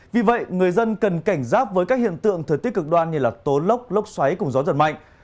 vì vậy người dân cần cảnh giác với các hiện tượng thời tiết cực đoan như tố lốc xoáy cùng gió giật mạnh